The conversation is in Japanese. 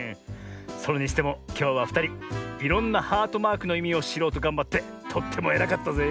それにしてもきょうはふたりいろんなハートマークのいみをしろうとがんばってとってもえらかったぜえ。